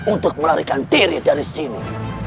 untuk melarikan diri dari sini